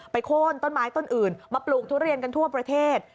โค้นต้นไม้ต้นอื่นมาปลูกทุเรียนกันทั่วประเทศ